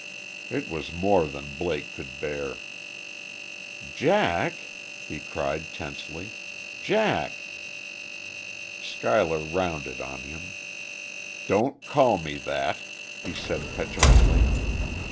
It was more than Blake could bear. "Jack!" he cried, tensely. "Jack!" Schuyler rounded on him. "Don't call me that!" he said, petulantly.